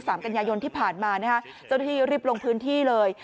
กันยายนที่ผ่านมานะฮะเจ้าหน้าที่รีบลงพื้นที่เลย